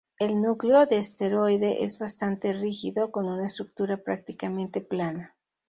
El núcleo de esteroide es bastante rígido con una estructura prácticamente plana.